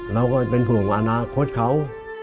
เราก็เป็นห่วงอนาคตเขา